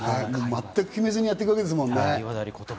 全く決めずにやってくんですもんね。